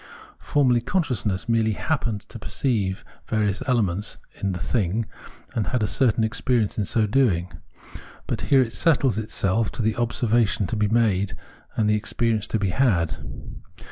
Formerly, consciousness merely happened to perceive various elements in the " thing," and had a certain experience in so doing. But here it settles itself the observations to be made and the experience to be had.